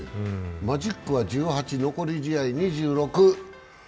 マジックは１８、残り試合２６。